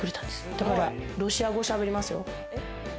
だから、ロシア語、喋りますよ。